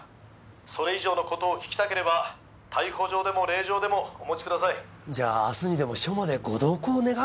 「それ以上の事を訊きたければ逮捕状でも令状でもお持ちください」じゃあ明日にでも署までご同行願うっていうわけには？